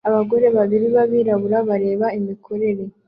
Abagore babiri b'abirabura bareba imikorere